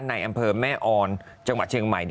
ในอำเภอแม่ออนจังหวัดเชียงใหม่